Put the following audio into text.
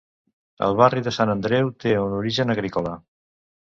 El barri de Sant Andreu té un origen agrícola.